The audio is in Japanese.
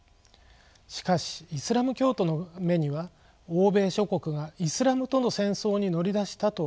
しかしイスラム教徒の目には欧米諸国がイスラムとの戦争に乗り出したと映ったのです。